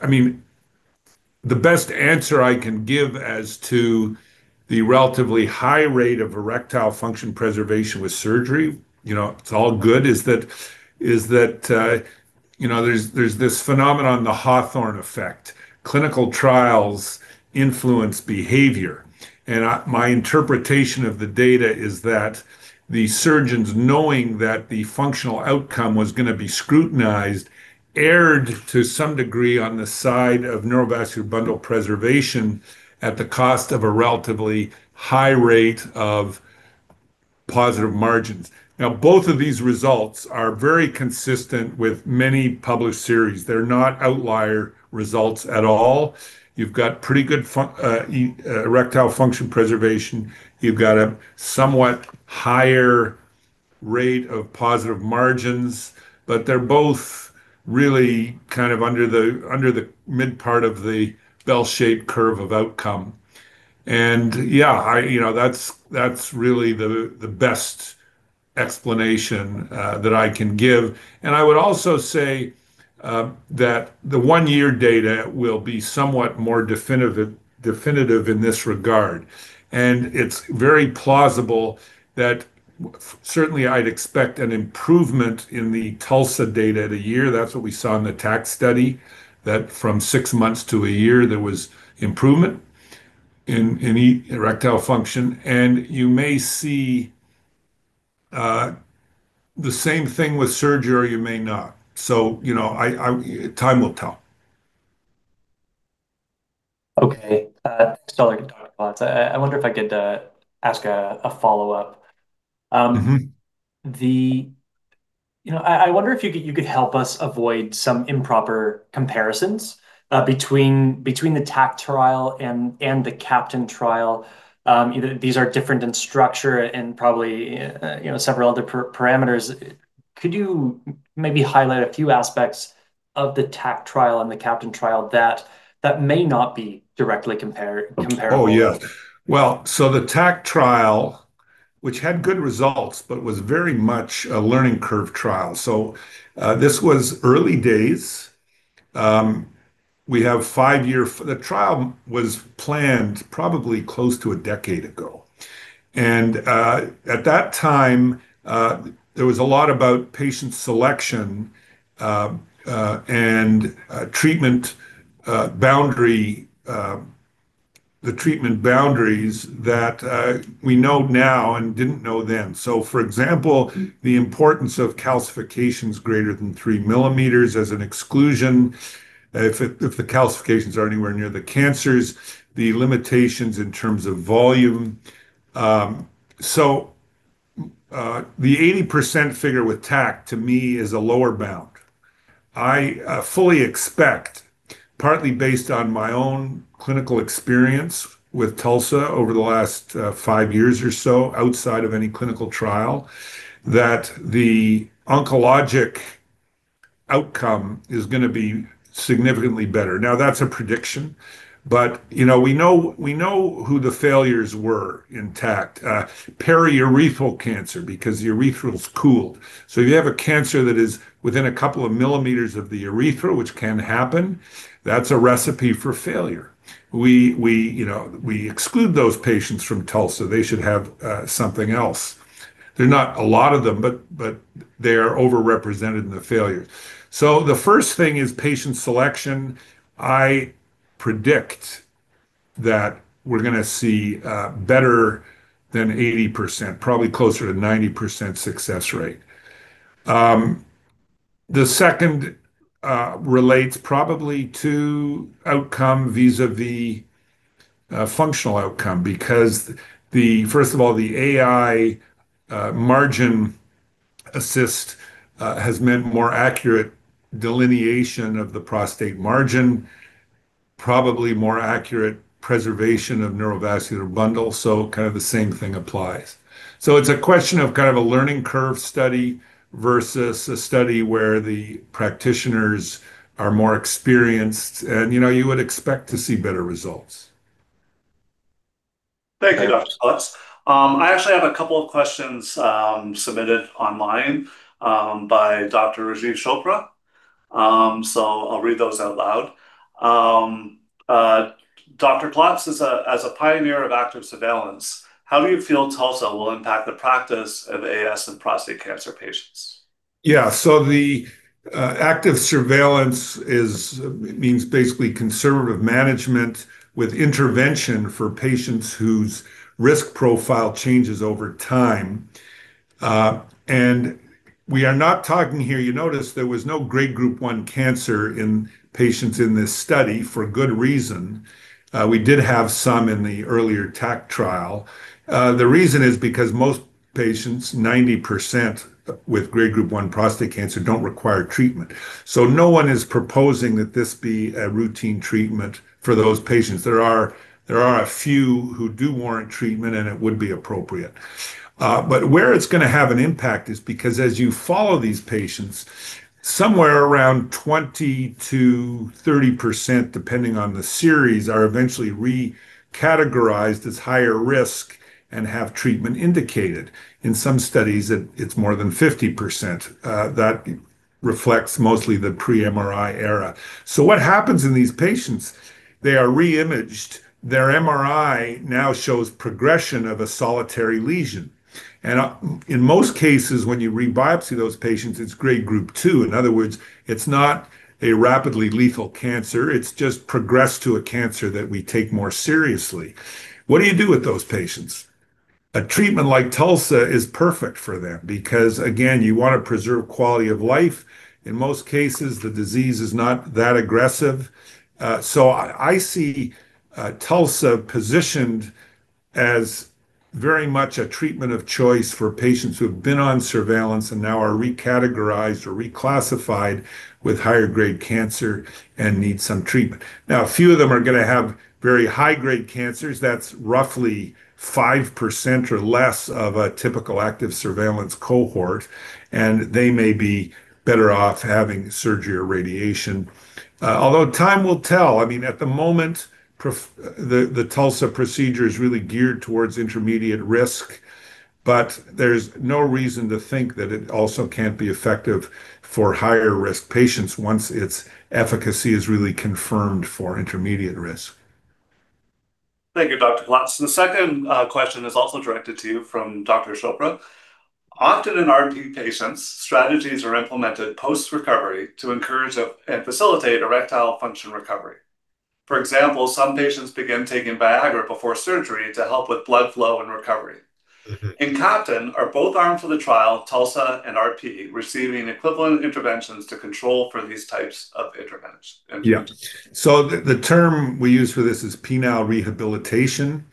I mean, the best answer I can give as to the relatively high rate of erectile function preservation with surgery, you know, it's all good, is that you know, there's this phenomenon, the Hawthorne effect. Clinical trials influence behavior. My interpretation of the data is that the surgeons knowing that the functional outcome was gonna be scrutinized erred to some degree on the side of neurovascular bundle preservation at the cost of a relatively high rate of positive margins. Now, both of these results are very consistent with many published series. They're not outlier results at all. You've got pretty good erectile function preservation. You've got a somewhat higher rate of positive margins, but they're both really kind of under the mid part of the bell-shaped curve of outcome. Yeah, I. You know, that's really the best explanation that I can give. I would also say that the one-year data will be somewhat more definitive in this regard. It's very plausible that certainly I'd expect an improvement in the TULSA-PRO data at a year. That's what we saw in the TACT study, that from six months to a year, there was improvement in erectile function. You may see the same thing with surgery, or you may not. You know, time will tell. Okay. I wonder if I could ask a follow-up. Mm-hmm. I wonder if you could help us avoid some improper comparisons between the TACT trial and the CAPTAIN trial. These are different in structure and probably several other parameters. Could you maybe highlight a few aspects of the TACT trial and the CAPTAIN trial that may not be directly comparable? Oh, yes. Well, the TACT trial, which had good results, but was very much a learning curve trial. This was early days. The trial was planned probably close to a decade ago. At that time, there was a lot about patient selection and treatment boundaries that we know now and didn't know then. For example, the importance of calcifications greater than 3 mm as an exclusion, if the calcifications are anywhere near the cancers, the limitations in terms of volume. The 80% figure with TACT to me is a lower bound. I fully expect, partly based on my own clinical experience with TULSA-PRO over the last five years or so, outside of any clinical trial, that the oncologic outcome is gonna be significantly better. Now, that's a prediction, but, you know, we know who the failures were in TACT. Periurethral cancer, because the urethra is cooled. If you have a cancer that is within a couple of mm of the urethra, which can happen, that's a recipe for failure. We, you know, we exclude those patients from TULSA-PRO. They should have something else. There are not a lot of them, but they are overrepresented in the failures. The first thing is patient selection. I predict that we're gonna see better than 80%, probably closer to 90% success rate. The second relates probably to outcome vis-à-vis functional outcome because, first of all, the AI margin assist has meant more accurate delineation of the prostate margin. Probably more accurate preservation of neurovascular bundle, so kind of the same thing applies. It's a question of kind of a learning curve study versus a study where the practitioners are more experienced and, you know, you would expect to see better results. Thank you, Dr. Klotz. I actually have a couple of questions, submitted online, by Dr. Rajiv Chopra. I'll read those out loud. Dr. Klotz, as a pioneer of active surveillance, how do you feel TULSA will impact the practice of AS in prostate cancer patients? Yeah. Active surveillance means basically conservative management with intervention for patients whose risk profile changes over time. We are not talking here. You notice there was no Grade Group 1 cancer in patients in this study for good reason. We did have some in the earlier TACT trial. The reason is because most patients, 90% with Grade Group 1 prostate cancer don't require treatment. No one is proposing that this be a routine treatment for those patients. There are a few who do warrant treatment, and it would be appropriate. Where it's gonna have an impact is because as you follow these patients, somewhere around 20%-30%, depending on the series, are eventually re-categorized as higher risk and have treatment indicated. In some studies, it's more than 50% that reflects mostly the pre-MRI era. What happens in these patients, they are re-imaged. Their MRI now shows progression of a solitary lesion. In most cases, when you re-biopsy those patients, it's Grade Group 2. In other words, it's not a rapidly lethal cancer. It's just progressed to a cancer that we take more seriously. What do you do with those patients? A treatment like TULSA is perfect for them because, again, you wanna preserve quality of life. In most cases, the disease is not that aggressive. I see TULSA positioned as very much a treatment of choice for patients who have been on surveillance and now are recategorized or reclassified with higher grade cancer and need some treatment. Now, a few of them are gonna have very high grade cancers. That's roughly 5% or less of a typical active surveillance cohort, and they may be better off having surgery or radiation. Although time will tell. I mean, at the moment, the TULSA Procedure is really geared towards intermediate risk, but there's no reason to think that it also can't be effective for higher risk patients once its efficacy is really confirmed for intermediate risk. Thank you, Dr. Klotz. The second question is also directed to you from Dr. Chopra. Often in RP patients, strategies are implemented post-recovery to encourage and facilitate erectile function recovery. For example, some patients begin taking Viagra before surgery to help with blood flow and recovery. Mm-hmm. In CAPTAIN, are both arms of the trial, TULSA and RP, receiving equivalent interventions to control for these types of interventions? Yeah. The term we use for this is penile rehabilitation.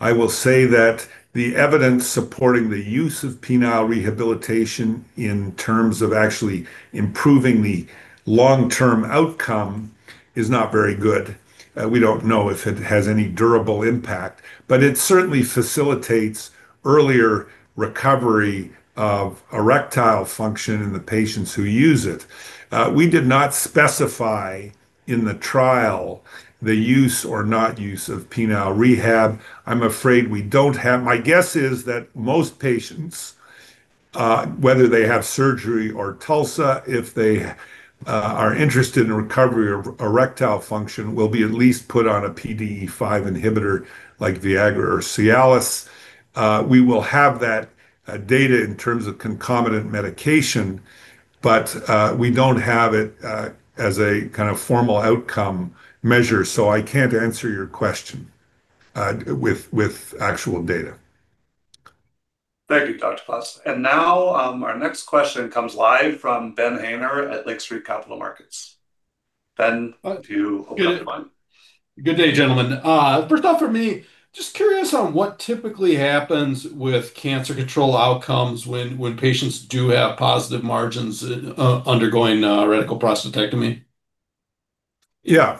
I will say that the evidence supporting the use of penile rehabilitation in terms of actually improving the long-term outcome is not very good. We don't know if it has any durable impact, but it certainly facilitates earlier recovery of erectile function in the patients who use it. We did not specify in the trial the use or not use of penile rehab. I'm afraid we don't have. My guess is that most patients, whether they have surgery or TULSA, if they are interested in recovery or erectile function, will be at least put on a PDE5 inhibitor like Viagra or Cialis. We will have that data in terms of concomitant medication, but we don't have it as a kind of formal outcome measure, so I can't answer your question with actual data. Thank you, Dr. Klotz. Now, our next question comes live from Ben Haynor at Lake Street Capital Markets. Ben, if you would like to come on. Good day, gentlemen. First off for me, just curious on what typically happens with cancer control outcomes when patients do have positive margins, undergoing radical prostatectomy. Yeah.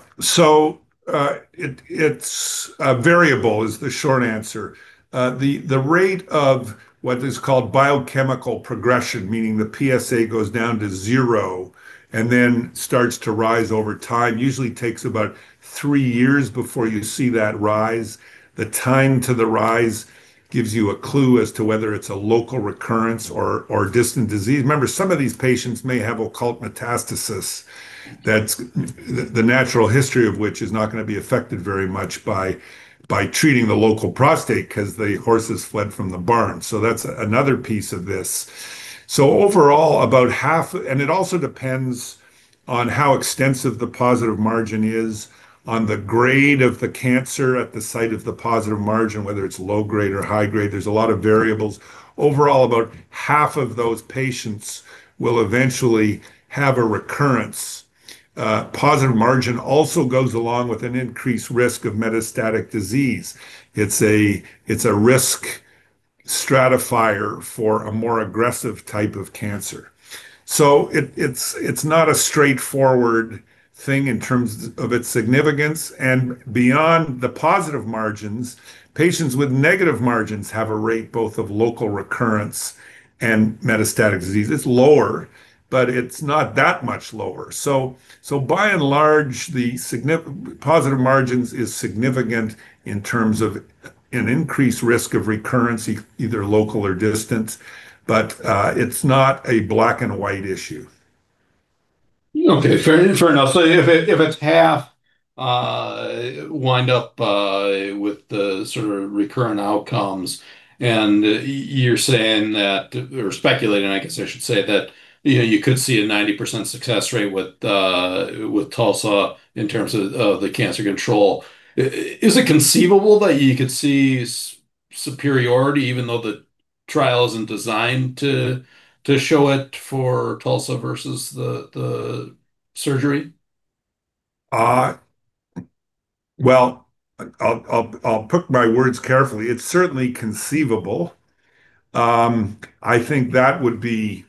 It's variable, is the short answer. The rate of what is called biochemical progression, meaning the PSA goes down to zero and then starts to rise over time, usually takes about three years before you see that rise. The time to the rise gives you a clue as to whether it's a local recurrence or a distant disease. Remember, some of these patients may have occult metastasis that's the natural history of which is not gonna be affected very much by treating the local prostate 'cause the horse has fled from the barn. That's another piece of this. Overall, about half. It also depends on how extensive the positive margin is, on the grade of the cancer at the site of the positive margin, whether it's low grade or high grade. There's a lot of variables. Overall, about half of those patients will eventually have a recurrence. Positive margin also goes along with an increased risk of metastatic disease. It's a risk stratifier for a more aggressive type of cancer. It's not a straightforward thing in terms of its significance. Beyond the positive margins, patients with negative margins have a rate both of local recurrence and metastatic disease. It's lower, but it's not that much lower. By and large, positive margins is significant in terms of an increased risk of recurrence either local or distant, but it's not a black-and-white issue. Okay. Fair enough. If it winds up with the sort of recurrent outcomes, and you're saying that, or speculating I guess I should say, that you know you could see a 90% success rate with TULSA-PRO in terms of the cancer control. Is it conceivable that you could see superiority even though the trial isn't designed to show it for TULSA-PRO versus the surgery? Well, I'll put my words carefully. It's certainly conceivable. I think that would be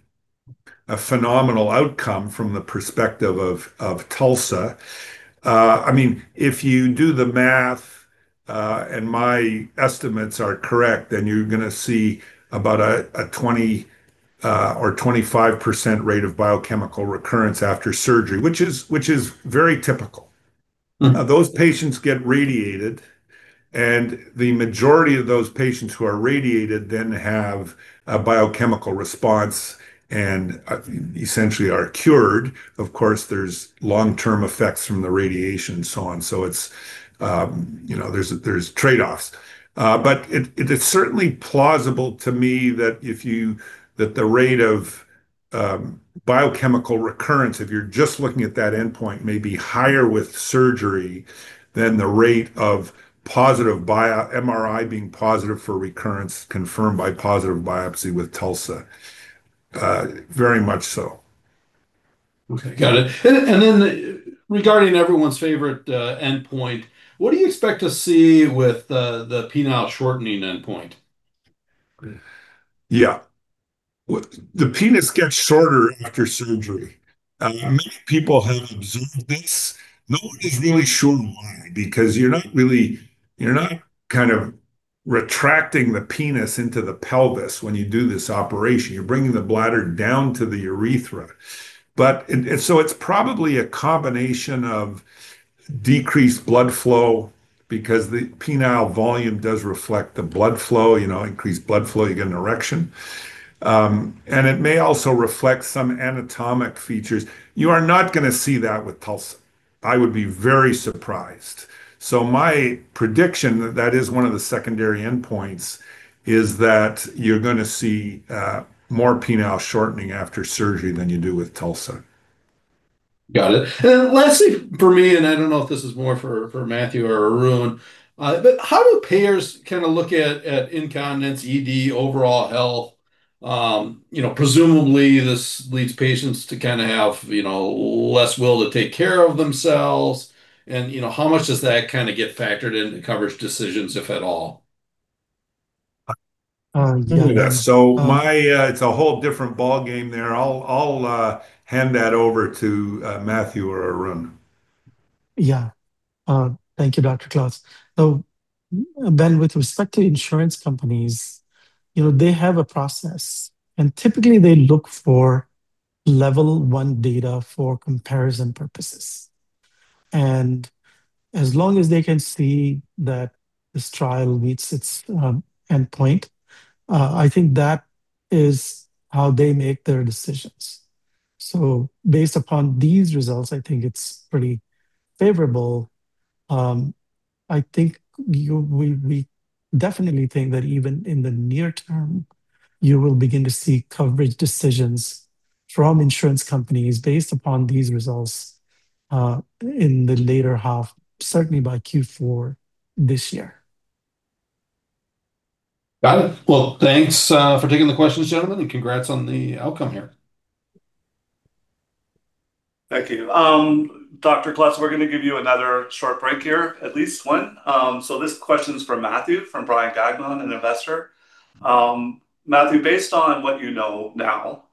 a phenomenal outcome from the perspective of TULSA-PRO. I mean, if you do the math and my estimates are correct, then you're gonna see about a 20 or 25% rate of biochemical recurrence after surgery, which is very typical. Mm-hmm. Those patients get radiated, and the majority of those patients who are radiated then have a biochemical response and essentially are cured. Of course, there's long-term effects from the radiation and so on. It's, you know, there's trade-offs. It is certainly plausible to me that the rate of biochemical recurrence, if you're just looking at that endpoint, may be higher with surgery than the rate of positive MRI being positive for recurrence confirmed by positive biopsy with TULSA-PRO. Very much so. Okay, got it. Regarding everyone's favorite endpoint, what do you expect to see with the penile shortening endpoint? Yeah. Well, the penis gets shorter after surgery. Many people have observed this. No one is really sure why because you're not kind of retracting the penis into the pelvis when you do this operation. You're bringing the bladder down to the urethra. It's probably a combination of decreased blood flow because the penile volume does reflect the blood flow. You know, increased blood flow, you get an erection. It may also reflect some anatomic features. You are not gonna see that with TULSA-PRO. I would be very surprised. My prediction, that is one of the secondary endpoints, is that you're gonna see more penile shortening after surgery than you do with TULSA-PRO. Got it. Last, for me, I don't know if this is more for Mathieu or Arun, but how do payers kinda look at incontinence, ED, overall health? You know, presumably this leads patients to kinda have less will to take care of themselves, you know, how much does that kinda get factored into coverage decisions, if at all? Yeah. It's a whole different ballgame there. I'll hand that over to Mathieu or Arun. Yeah. Thank you, Dr. Klotz. With respect to insurance companies, you know, they have a process, and typically they look for Level I data for comparison purposes. As long as they can see that this trial meets its endpoint, I think that is how they make their decisions. Based upon these results, I think it's pretty favorable. I think we definitely think that even in the near term, you will begin to see coverage decisions from insurance companies based upon these results, in the later half, certainly by Q4 this year. Got it. Well, thanks, for taking the questions, gentlemen, and congrats on the outcome here. Thank you. Dr. Klotz, we're gonna give you another short break here, at least one. So this question's from Mathieu, from Brian Gagnon, an investor. Mathieu, based on what you know now,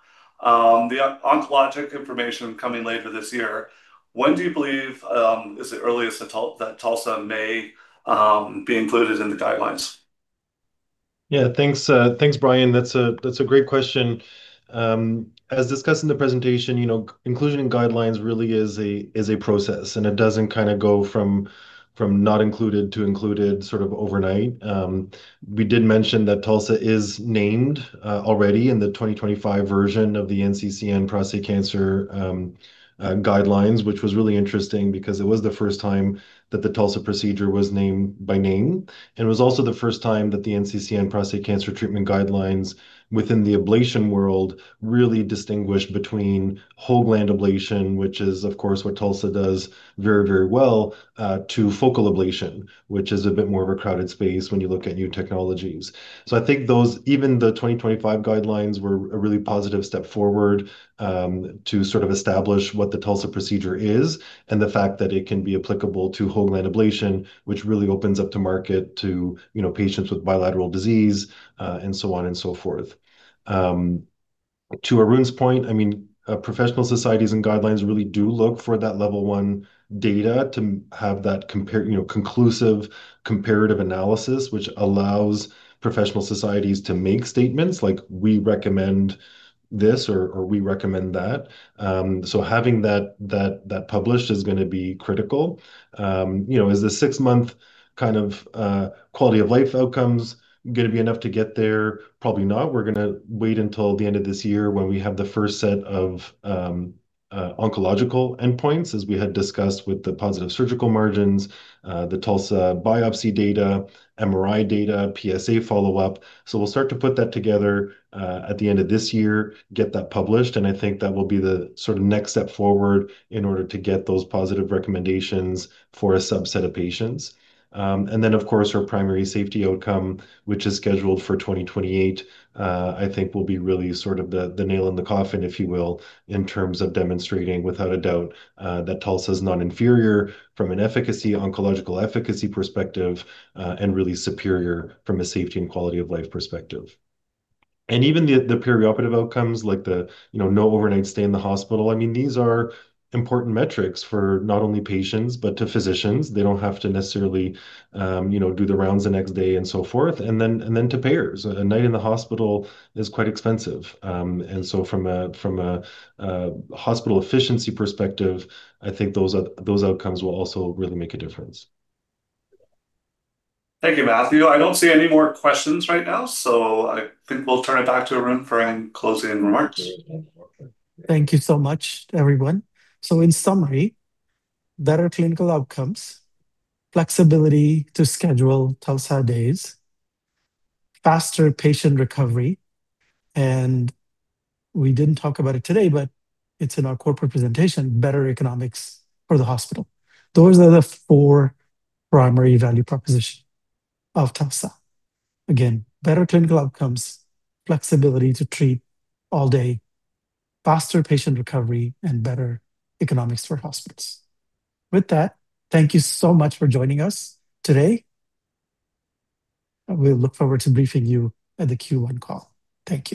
the oncologic information coming later this year, when do you believe is the earliest that TULSA-PRO may be included in the guidelines? Yeah. Thanks, Brian. That's a great question. As discussed in the presentation, you know, inclusion in guidelines really is a process, and it doesn't kinda go from not included to included sort of overnight. We did mention that TULSA-PRO is named already in the 2025 version of the NCCN prostate cancer guidelines, which was really interesting because it was the first time that the TULSA-PRO procedure was named by name. It was also the first time that the NCCN prostate cancer treatment guidelines within the ablation world really distinguished between whole gland ablation, which is of course what TULSA-PRO does very, very well, to focal ablation, which is a bit more of a crowded space when you look at new technologies. I think those, even the 2025 guidelines were a really positive step forward, to sort of establish what the TULSA-PRO procedure is and the fact that it can be applicable to whole gland ablation, which really opens up the market to, you know, patients with bilateral disease, and so on and so forth. To Arun's point, I mean, professional societies and guidelines really do look for that Level I data to have that conclusive comparative analysis which allows professional societies to make statements like, "We recommend this," or "We recommend that." You know, is the six-month kind of quality of life outcomes gonna be enough to get there? Probably not. We're gonna wait until the end of this year when we have the first set of oncological endpoints, as we had discussed with the positive surgical margins, the TULSA-PRO biopsy data, MRI data, PSA follow-up. We'll start to put that together, at the end of this year, get that published, and I think that will be the sorta next step forward in order to get those positive recommendations for a subset of patients. Our primary safety outcome which is scheduled for 2028, I think will be really sort of the nail in the coffin, if you will, in terms of demonstrating without a doubt, that TULSA-PRO's non-inferior from an efficacy, oncological efficacy perspective, and really superior from a safety and quality of life perspective. Even the perioperative outcomes like the, you know, no overnight stay in the hospital, I mean, these are important metrics for not only patients but to physicians. They don't have to necessarily, you know, do the rounds the next day, and so forth. To payers. A night in the hospital is quite expensive. From a hospital efficiency perspective, I think those outcomes will also really make a difference. Thank you, Mathieu. I don't see any more questions right now, so I think we'll turn it back to Arun for any closing remarks. Thank you so much, everyone. In summary, better clinical outcomes, flexibility to schedule TULSA-PRO days, faster patient recovery, and we didn't talk about it today, but it's in our corporate presentation, better economics for the hospital. Those are the four primary value proposition of TULSA-PRO. Again, better clinical outcomes, flexibility to treat all day, faster patient recovery, and better economics for hospitals. With that, thank you so much for joining us today. We look forward to briefing you at the Q1 call. Thank you.